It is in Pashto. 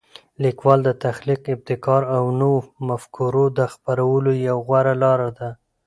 لیکوالی د تخلیق، ابتکار او نوو مفکورو د خپرولو یوه غوره لاره ده.